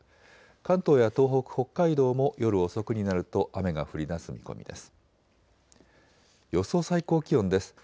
関東や東北、北海道も夜遅くになると雨が降りだす見込みです。